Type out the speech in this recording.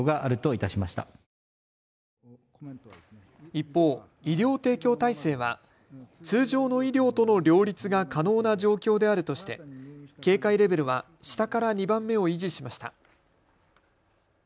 一方、医療提供体制は通常の医療との両立が可能な状況であるとして警戒レベルは下から２番目を維持しました。